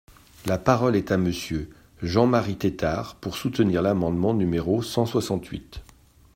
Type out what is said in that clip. La parole est à Monsieur Jean-Marie Tetart, pour soutenir l’amendement numéro cent soixante-huit.